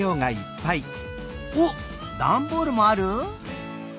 おっダンボールもある？